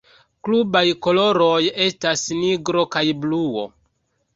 Klubaj koloroj estas nigro kaj bluo.